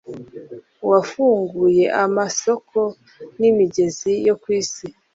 uwafunguye amasoko n’imigezi yo kw’isi